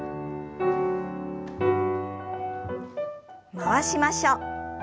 回しましょう。